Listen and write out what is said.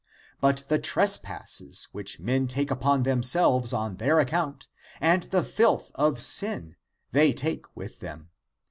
But the trespasses which men take upon themselves on their account, and the filth of sin, they take with them.